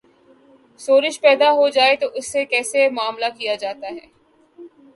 شورش پیدا ہو جائے تو اس سے کیسے معا ملہ کیا جاتا تھا؟